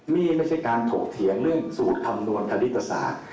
นี่ไม่ใช่การถกเถียงเรื่องสูตรคำนวณคณิตศาสตร์